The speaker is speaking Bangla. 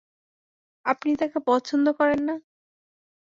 আপনি তাকে পছন্দ করেন না?